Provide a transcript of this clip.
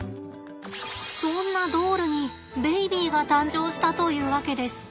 そんなドールにベイビーが誕生したというわけです。